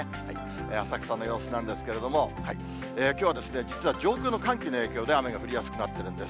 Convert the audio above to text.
浅草の様子なんですけれども、きょうは、実は上空の寒気の影響で雨が降りやすくなっているんです。